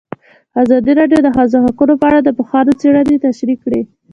ازادي راډیو د د ښځو حقونه په اړه د پوهانو څېړنې تشریح کړې.